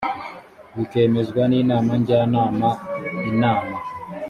bikemezwa n inama njyanama inama